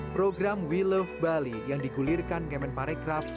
program we love bali yang digulirkan kemen parekraf